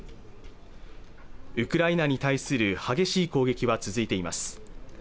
ウクライナに対する激しい攻撃は続いています